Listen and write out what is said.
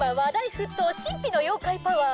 沸騰神秘の妖怪パワー。